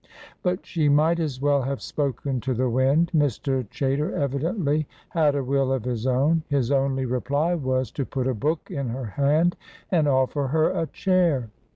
But she might as well have spoken to the wind. Mr. Chaytor evidently had a will of his own. His only reply was to put a book in her hand and offer her a chair.